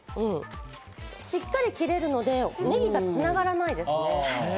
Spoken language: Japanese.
しっかり切れるので、ネギがつながらないですね。